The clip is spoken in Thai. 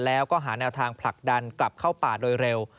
แล้วก็หาแนวทางผลักดันกลับเข้าป่าโดยเร็ว